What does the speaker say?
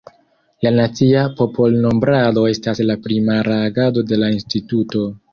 La nacia popolnombrado estas la primara agado de la instituto.